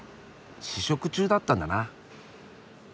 試食中だったんだな。